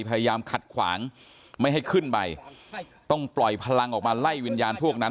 พยายามขัดขวางไม่ให้ขึ้นไปต้องปล่อยพลังออกมาไล่วิญญาณพวกนั้น